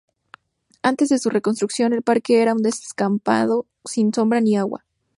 Antes de su reconstrucción, el parque era un descampado, sin sombra ni agua.